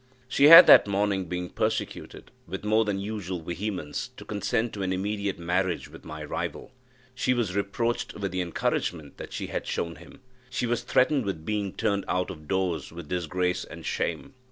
She had that morning been persecuted, with more than usual vehemence, to consent to an immediate marriage with my rival. She was reproached with the encouragement that she had shown him she was threatened with being turned out of doors with disgrace and shame.